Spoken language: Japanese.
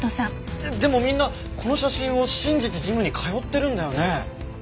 えっでもみんなこの写真を信じてジムに通ってるんだよね？